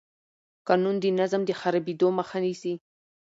قانون د نظم د خرابېدو مخه نیسي.